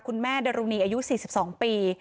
คุณแม่ดรุณีอายุ๔๒ปี